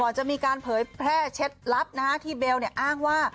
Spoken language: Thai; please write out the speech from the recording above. จะมีการเผยแพร่ลับที่เบลอ้างว่า